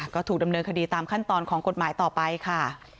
ก็ถูกดำเนินคดีตามขั้นตอนของกฎหมายต่อไปค่ะ